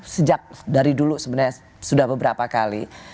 sejak dari dulu sebenarnya sudah beberapa kali